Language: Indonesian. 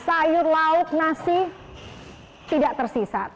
sayur lauk nasi tidak tersisa